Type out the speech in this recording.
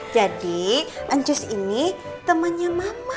jadi anjus ini temannya mama